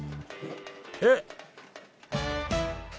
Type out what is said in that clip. えっ！